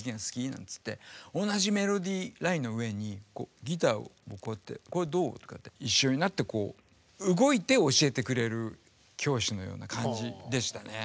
なんつって同じメロディーラインの上にギターをこうやって「これどう？」とかって一緒になって動いて教えてくれる教師のような感じでしたね。